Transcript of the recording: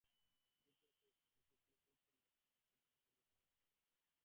দ্বিতীয়ত ইহা প্রকৃতি হইতে লব্ধ তথ্য দ্বারা প্রকৃতির ব্যাখ্যা নয়।